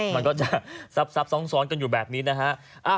มันก็จะซับซ้อนกันอยู่แบบนี้นะฮะ